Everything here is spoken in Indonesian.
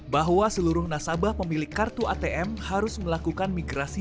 bahwa seluruh nasabah pemilik kartu atm harus melakukan migrasi